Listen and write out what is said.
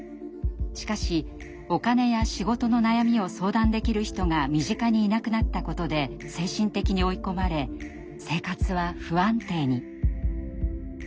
しかしお金や仕事の悩みを相談できる人が身近にいなくなったことで精神的に追い込まれ生活は不安定に。